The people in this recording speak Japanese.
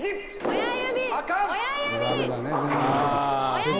親指！